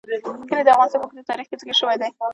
کلي د افغانستان په اوږده تاریخ کې ذکر شوی دی.